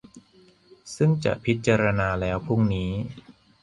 ซึ่งจะพิจารณาแล้วพรุ่งนี้